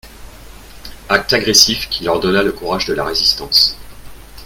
Acte agressif qui leur donna le courage de la résistance.